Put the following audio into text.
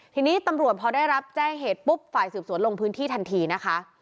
ทีนี้ตำรวจพอได้รับแจ้งเหตุปุ๊บฝ่ายสืบสวนลงพื้นที่ทันทีนะคะ